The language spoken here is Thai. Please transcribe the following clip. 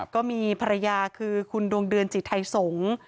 ก็มีภรรยาคือคุณดวงเดือนจิตไทยสงฆ์